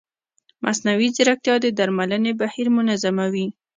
مصنوعي ځیرکتیا د درملنې بهیر منظموي.